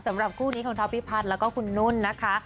สำหรับคู่นี้ของท็อปพี่พัฒน์แล้วก็คุณนุ่นนะคะ